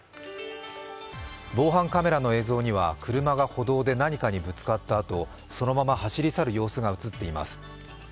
防犯カメラの映像には、車が歩道で何かにぶつかったあと、そのまま走り去る様子が映っています。